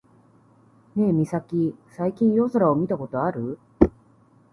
ねえミサキ、最近夜空を見たことある？